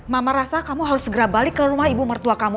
mama rasa kamu harus segera balik ke rumah ibu mertua kamu